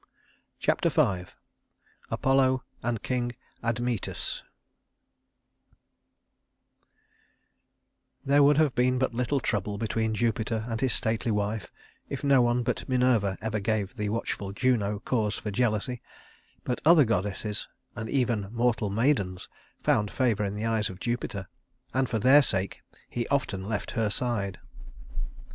Chapter V Apollo and King Admetus There would have been but little trouble between Jupiter and his stately wife if no one but Minerva ever gave the watchful Juno cause for jealousy; but other goddesses, and even mortal maidens, found favor in the eyes of Jupiter, and for their sake he often left her side.